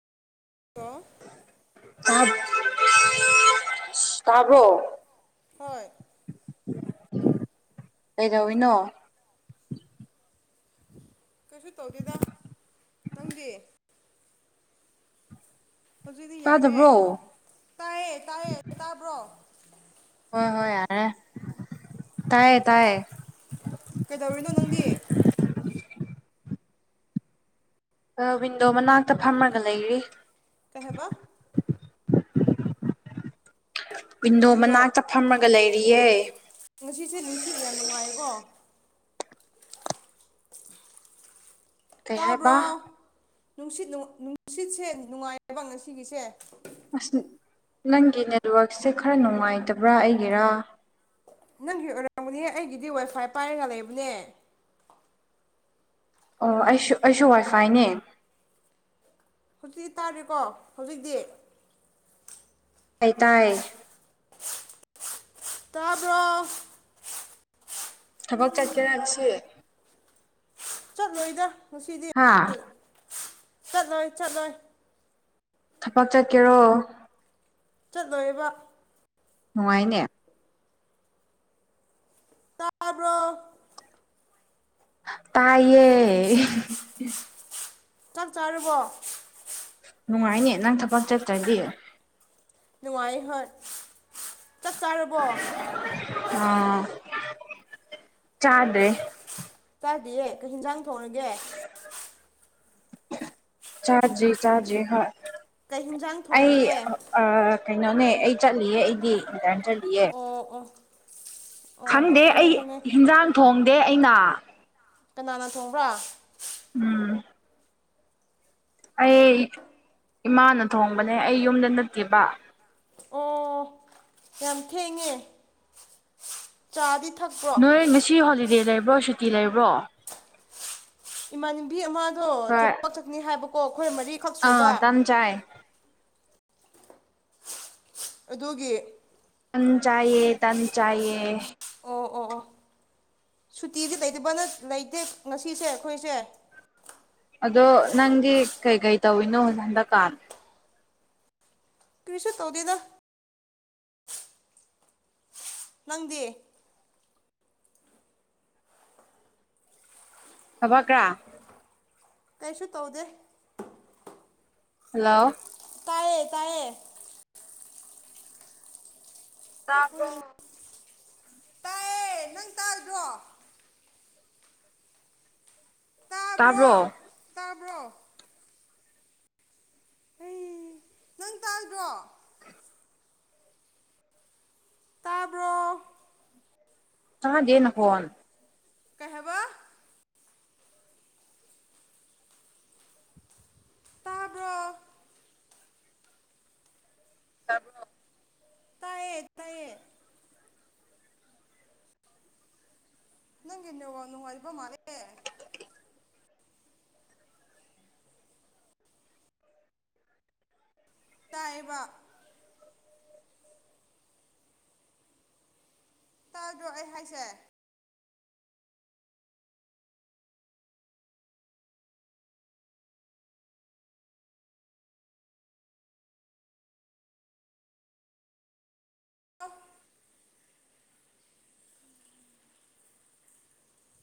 hello ꯇꯕꯔꯣ ꯍꯣꯏ ꯀꯩꯗꯧꯔꯤꯅꯣ ꯀꯩꯁꯨ ꯇꯧꯗꯦꯗ ꯅꯪꯗꯤ ꯍꯧꯖꯤꯛꯗꯤ ꯌꯥꯔꯦ ꯇꯥꯗꯕ꯭ꯔꯣ ꯇꯥꯏꯌꯦ ꯇꯥꯏꯌꯦ ꯇꯥꯕ꯭ꯔꯣ ꯍꯣꯏ ꯍꯣꯏ ꯌꯥꯔꯦ ꯇꯥꯏꯌꯦ ꯇꯥꯏꯌꯦ ꯀꯩꯗꯧꯔꯤꯅꯣ ꯅꯪꯗꯤ ꯋꯤꯟꯗꯣ ꯃꯅꯥꯛꯇ ꯐꯝꯃꯒ ꯂꯩꯔꯤ ꯀꯩꯍꯥꯏꯕ ꯋꯤꯟꯗꯣ ꯃꯅꯥꯛꯇ ꯐꯝꯃꯒ ꯂꯩꯔꯤꯌꯦ ꯁꯤꯗꯤ ꯌꯥꯝ ꯅꯨꯡꯉꯥꯏꯀꯣ ꯀꯩ ꯇꯥꯕ꯭ꯔꯣ ꯍꯥꯏꯕ ꯅꯨꯡꯁꯤꯠ ꯅꯨꯡꯁꯤꯠꯁꯦ ꯅꯨꯡꯉꯥꯏꯌꯦꯕ ꯉꯁꯤꯒꯤꯁꯦ ꯑꯁ ꯅꯪꯒꯤ ꯅꯦꯠꯋꯛꯁꯦ ꯈꯔ ꯅꯨꯡꯉꯥꯏꯇꯕ꯭ꯔꯥ ꯑꯩꯒꯤꯔꯥ ꯅꯪꯒꯤ ꯑꯣꯏꯔꯃꯒꯅꯤ ꯑꯩꯒꯤꯗꯤ ꯋꯥꯏꯐꯥꯏ ꯄꯥꯏꯔꯒ ꯂꯩꯕꯅꯦ ꯑꯣ ꯑꯩꯁꯨ ꯑꯩꯁꯨ ꯋꯥꯏꯐꯥꯏꯅꯦ ꯍꯧꯖꯤꯛꯇꯤ ꯇꯥꯔꯦꯀꯣ ꯍꯧꯖꯤꯛꯇꯤ ꯍꯥꯏ ꯇꯥꯏ ꯇꯥꯕꯔꯣ ꯊꯕꯛ ꯆꯠꯀꯦꯔꯁꯤ ꯆꯠꯂꯣꯏꯗ ꯉꯥꯁꯤꯗꯤ ꯍꯥꯥ ꯆꯠꯂꯣꯏ ꯆꯠꯂꯣꯏ ꯊꯕꯛ ꯆꯠꯀꯦꯔꯣ ꯆꯠꯂꯣꯏꯕ ꯅꯨꯡꯉꯥꯏꯅꯦ ꯇꯥꯕꯔꯣ ꯇꯥꯏꯌꯦ ꯆꯥꯛ ꯆꯔꯕꯣ ꯅꯨꯡꯉꯥꯏꯅꯦ ꯅꯪ ꯊꯕꯛ ꯆꯠꯇ꯭ꯔꯗꯤ ꯅꯨꯡꯉꯥꯏ ꯍꯣꯏ ꯆꯛ ꯆꯥꯔꯕꯣ ꯑ ꯆꯥꯗ꯭ꯔꯤ ꯆꯥꯗꯤꯌꯦ ꯀꯩ ꯍꯤꯟꯖꯥꯡ ꯊꯣꯡꯉꯥꯒꯦ ꯆꯥꯗꯔꯤ ꯆꯥꯗꯔꯤ ꯍꯣꯏ ꯀꯩ ꯍꯤꯟꯖꯥꯡ ꯑꯩ ꯊꯣꯡꯔꯒꯦ ꯑꯥ ꯀꯩꯅꯣꯅꯦ ꯑꯩ ꯆꯠꯂꯤꯌꯦ ꯑꯩꯗꯤ ꯏꯟꯇꯔꯟ ꯆꯠꯂꯤꯌꯦ ꯑꯣ ꯑꯣ ꯑꯣ ꯈꯪꯗꯦ ꯈꯪꯉꯦ ꯑꯩ ꯈꯪꯉꯦ ꯍꯤꯟꯖꯥꯡ ꯊꯣꯡꯗꯦ ꯑꯩꯅ ꯀꯅꯥꯅ ꯊꯣꯡꯕ꯭ꯔꯥ ꯎꯝ ꯑꯩ ꯏꯃꯥꯅ ꯊꯣꯡꯕꯅꯦ ꯑꯩ ꯌꯨꯝꯗ ꯅꯠꯇꯦꯕ ꯑꯣ ꯌꯥꯝ ꯊꯦꯡꯉꯦ ꯆꯥꯗꯤ ꯊꯛ [unintelligible] ꯅꯣꯏ ꯉꯁꯤ ꯍꯣꯂꯤꯗꯦ ꯂꯩꯕ꯭ꯔꯣ ꯁꯨꯇꯤ ꯂꯩꯕ꯭ꯔꯣ ꯏꯃꯥꯟꯅꯕꯤ ꯑꯃꯗꯣ ꯍꯣꯏ ꯊꯕꯛꯆꯛꯅꯤ ꯍꯥꯏꯕꯀꯣ ꯈꯣꯏ ꯃꯔꯤ ꯑꯥ ꯇꯝ ꯆꯥꯏ ꯑꯗꯨꯒꯤ ꯇꯟ ꯆꯥꯌꯦ ꯇꯟ ꯆꯥꯏꯌꯦ ꯑꯣ ꯑꯣ ꯑꯣ ꯁꯨꯇꯤꯁꯦ ꯂꯩꯇꯕꯅꯠ ꯂꯩꯇꯦ ꯉꯁꯤꯁꯦ ꯑꯩꯈꯣꯏꯁꯦ ꯑꯗꯣ ꯅꯪꯗꯤ ꯀꯩꯀꯩ ꯇꯧꯋꯤꯅꯣ ꯍꯟꯗꯛꯀꯥꯟ ꯀ꯭ꯔꯤꯁꯨ ꯇꯧꯗꯦꯗꯥ ꯅꯪꯗꯤ ꯊꯕꯛ ꯀꯥ ꯀꯩꯁꯨ ꯇꯧꯗꯦ ꯍꯜꯂꯣ ꯇꯥꯏꯌꯦ ꯇꯥꯏꯌꯦ ꯇꯕꯔꯣ ꯇꯥꯗꯔꯣ ꯇꯥꯕ꯭ꯔꯣ ꯕꯔꯣ ꯑꯩ ꯅꯪ ꯇꯥꯗꯔꯣ ꯇꯥꯕ꯭ꯔꯣ ꯇꯥꯗꯦ ꯅꯈꯣꯟ ꯀꯩ ꯍꯥꯏꯕꯥ ꯇꯥꯕꯔꯣ ꯇꯥꯕꯔꯣ ꯇꯥꯏꯌꯦ ꯇꯥꯏꯌꯦ ꯅꯪꯒꯤ ꯅꯦꯠꯋꯥꯛ ꯅꯨꯉꯥꯏꯇꯥꯕ ꯃꯥꯜꯂꯦ ꯑꯦ ꯇꯥꯌꯦꯕ ꯇꯥꯗ꯭ꯔꯣ ꯑꯩ ꯍꯥꯏꯁꯦ ꯑꯣꯐ